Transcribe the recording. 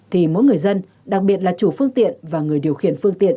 thì mỗi người dân đặc biệt là chủ phương tiện và người điều khiển phương tiện